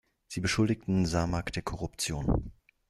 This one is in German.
Sie beschuldigten Samak der Korruption.